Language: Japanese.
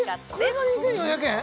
これが２４００円！？